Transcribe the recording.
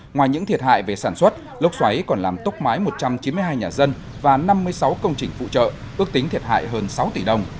ngoài những thiệt hại về sản xuất lốc xoáy còn làm tốc mái một trăm chín mươi hai nhà dân và năm mươi sáu công trình phụ trợ ước tính thiệt hại hơn sáu tỷ đồng